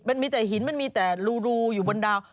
มันมีแต่หินมันมีแต่รูอยู่บนดาว